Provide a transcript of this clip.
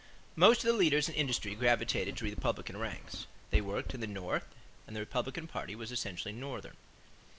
= Most of the leaders in industry gravitated to the Republican ranks. They worked in the North and the Republican party was essentially Northern.